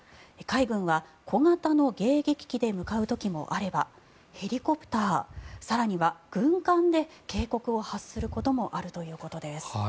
海軍は小型の迎撃機で向かう時もあればヘリコプター更には軍艦で警告を発することもあるということです。